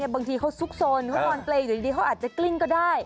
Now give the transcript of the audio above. บางทีเขาซุกซนเขานอนเปรย์อยู่ดีเขาอาจจะกลิ้งก็ได้